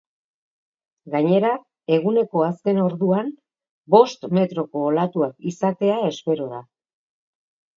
Gainera, eguneko azken orduan bost metroko olatuak izatea espero da.